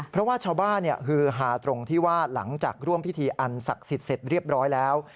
เพราะว่าชาวบ้านฮือฮาตรงที่ว่าหลังจากร่วมพิธีอันศักดิ์สิทธิ์เสร็จเรียบร้อยแล้ว